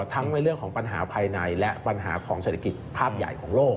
ทั้งในเรื่องของปัญหาภายในและปัญหาของเศรษฐกิจภาพใหญ่ของโลก